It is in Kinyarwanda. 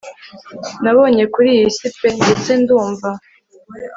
nabonye kuri iyi si pe, ndetse ndumva